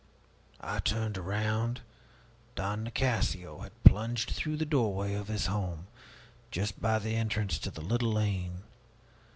I turned around Don Nicasio had plunged through the doorway of his home just by the entrance to the little lane.